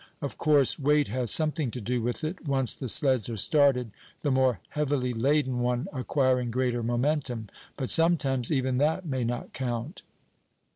Of course, weight has something to do with it, once the sleds are started, the more heavily laden one acquiring greater momentum. But sometimes even that may not count.